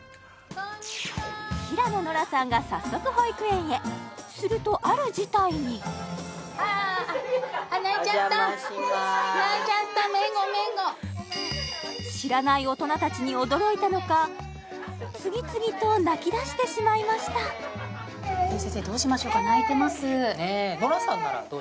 平野ノラさんが早速保育園へするとある事態に知らない大人たちに驚いたのか次々と泣きだしてしまいましたそうですね